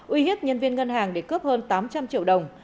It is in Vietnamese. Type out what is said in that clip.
uy hiếp nhân viên ngân hàng để cướp hơn tám trăm linh triệu đồng